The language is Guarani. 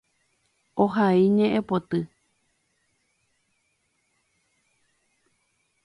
Ohai ñe'ẽpoty.